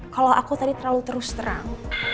kalau aku tadi terlalu terus terang